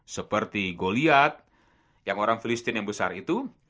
seperti goliat yang orang christine yang besar itu